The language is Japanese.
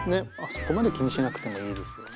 そこまで気にしなくてもいいですよね。